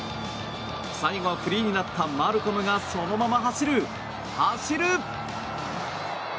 最後はフリーになったマルコムがそのまま走る、走る！